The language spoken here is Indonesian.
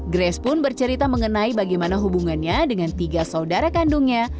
grace pun bercerita mengenai bagaimana hubungannya dengan tiga saudara kandungnya